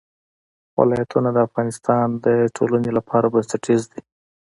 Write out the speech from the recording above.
ولایتونه د افغانستان د ټولنې لپاره بنسټیز دي.